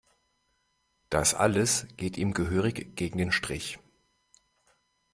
Das alles geht ihm gehörig gegen den Strich.